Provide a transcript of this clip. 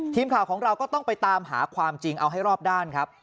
ทีมข่าวของเราก็ต้องไปตามหาความจริงเอาให้รอบด้านครับ